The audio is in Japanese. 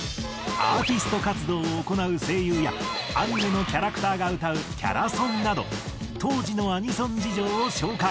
アーティスト活動を行う声優やアニメのキャラクターが歌うキャラソンなど当時のアニソン事情を紹介。